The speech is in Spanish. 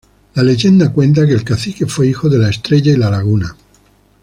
La leyenda cuenta que el cacique fue hijo de la estrella y la laguna.